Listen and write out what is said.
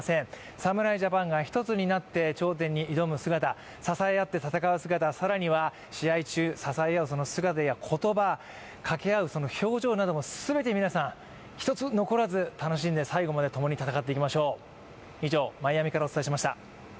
侍ジャパンが一つになって頂点に挑む姿支え合って戦う姿、更には支え合う姿や言葉、かけあう表情なども全て皆さん一つ残らず楽しんで最後まで共に戦っていきましょう。